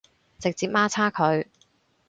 直接媽叉佢